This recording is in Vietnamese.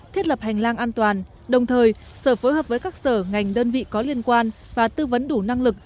thiết lập hành lang an toàn đồng thời sở phối hợp với các sở ngành đơn vị có liên quan và tư vấn đủ năng lực